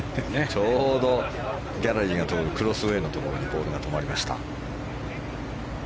ちょうどギャラリーが通るクロスウェーのところにボールが止まりました。